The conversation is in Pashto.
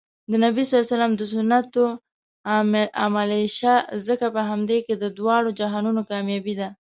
د نبي ص د سنتو عاملشه ځکه په همدې کې د دواړو جهانونو کامیابي